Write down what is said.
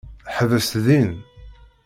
Ḥbes din.